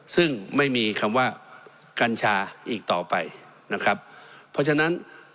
ซึ่งไม่มีคำว่ากัญชาอีกต่อไปนะครับเพราะฉะนั้น